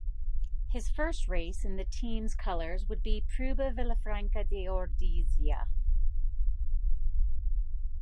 His first race in the teams colours would be Prueba Villafranca de Ordizia.